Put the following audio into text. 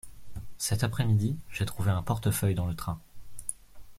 Cet après-midi, j'ai trouvé un portefeuille dans le train.